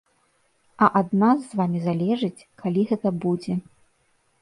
А ад нас з вамі залежыць, калі гэта будзе.